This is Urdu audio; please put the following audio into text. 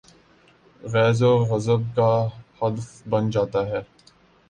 غیظ و غضب کا ہدف بن جا تا ہے۔